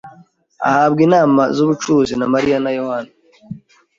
ahabwa inama zubucuruzi na Mariya na Yohana.